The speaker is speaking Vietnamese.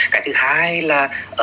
cái thứ hai là